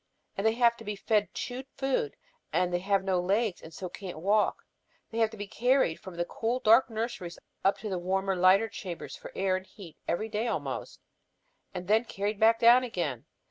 And they have to be fed chewed food, and as they have no legs and so can't walk, they have to be carried from the cool dark nurseries up into the warmer lighter chambers for air and heat every day almost, and then carried back down again.